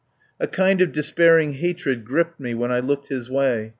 A kind of despairing hatred gripped me when I looked his way.